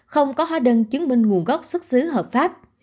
không có hóa đơn chứng minh nguồn gốc xuất xứ hợp pháp